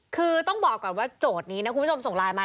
คือต้องบอกก่อนว่าโจทย์นี้นะ